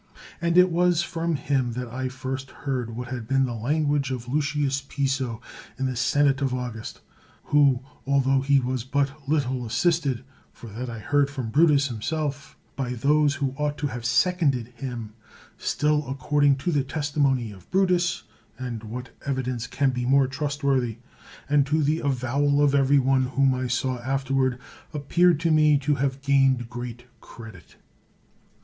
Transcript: And it was from him that I first heard what had been the language of Lucius Piso, in the senate of August; who, altho he was but little assisted (for that I heard from Brutus him self) by those who ought to have seconded him, still according to the testimony of Brutus (and what evidence can be more trustworthy?) and to the avowal of every one whom I saw afterward, appeared to me to have gained great credit.